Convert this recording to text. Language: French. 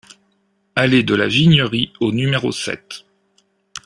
Allée de la Vignerie au numéro sept